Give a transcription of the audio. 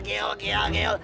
keal keal keal